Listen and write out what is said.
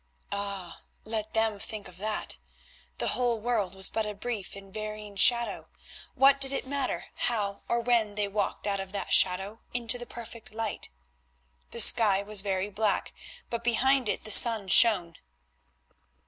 Ah! let them think of that. The whole world was but a brief and varying shadow, what did it matter how or when they walked out of that shadow into the perfect light? The sky was very black, but behind it the sun shone.